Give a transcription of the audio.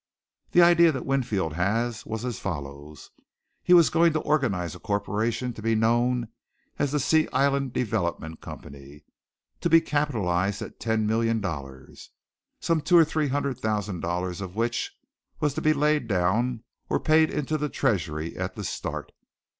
The idea Winfield had was as follows: He was going to organize a corporation to be known as The Sea Island Development Company, to be capitalized at ten million dollars, some two or three hundred thousand dollars of which was to be laid down or paid into the treasury at the start.